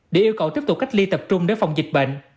để yêu cầu tiếp tục cách ly tập trung để phòng dịch bệnh